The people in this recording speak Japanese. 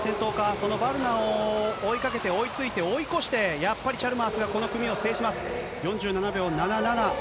そのバルナを追いかけて、追いついて、追い越して、やっぱりチャルマースがこの組を制します。